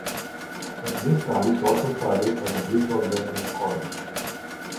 At this time he also studied at the Bristol Baptist College.